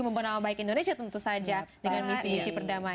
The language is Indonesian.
dan bangsa indonesia tentu saja dengan misi perdamaian